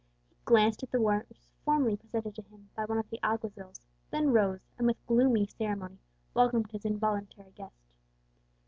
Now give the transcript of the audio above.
He glanced at the warrant which was formally presented to him by one of the alguazils, then rose, and with gloomy ceremony welcomed his involuntary guest.